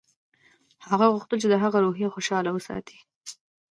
هغه غوښتل چې د هغه روحیه خوشحاله وساتي